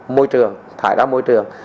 môi trường thải ra môi trường